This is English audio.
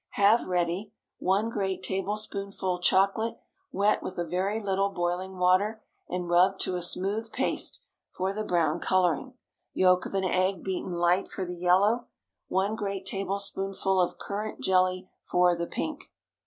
Have ready 1 great tablespoonful chocolate, wet with a very little boiling water, and rubbed to a smooth paste, for the brown coloring. Yolk of an egg beaten light for the yellow. 1 great tablespoonful of currant jelly for the pink.